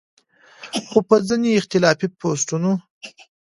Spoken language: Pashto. خو پۀ ځينې اختلافي پوسټونو